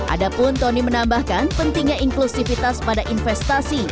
adapun tony menambahkan pentingnya inklusivitas pada investasi